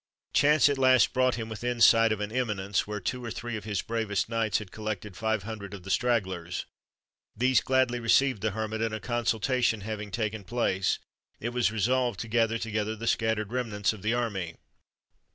Chance at last brought him within sight of an eminence, where two or three of his bravest knights had collected five hundred of the stragglers. These gladly received the Hermit, and a consultation having taken place, it was resolved to gather together the scattered remnants of the army.